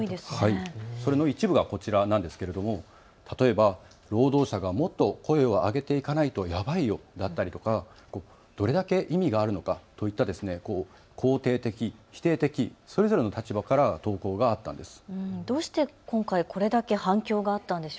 それの一部がこちらなんですけど例えば労働者がもっと声を上げていかないとやばいよだったりとか、どれだけ意味があるのかといった肯定的、否定的それぞれの立場から投稿があったんですね。